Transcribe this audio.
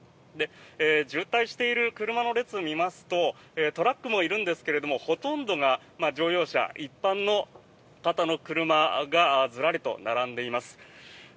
渋滞している車の列を見ますとトラックもいるんですけどもほとんどが乗用車一般の方の車がずらりと並んでいます。